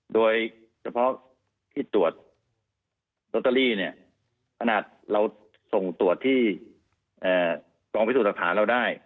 โดยเฉพาะที่ตรวจโต๊ตเตอรี่ถนัดเราส่งตรวจที่กองวิสุทธิภาพเราได้